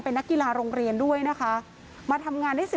พ่อแม่มาเห็นสภาพศพของลูกร้องไห้กันครับขาดใจ